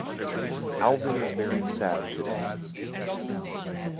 Alvyn is very sad today.